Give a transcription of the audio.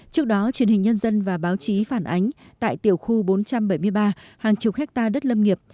trước đó truyền hình nhân dân và báo chí phản ánh tại tiểu khu bốn trăm bảy mươi ba hàng chục hectare đất lâm nghiệp